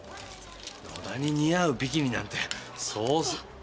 野田に似合うビキニなんてそうそう。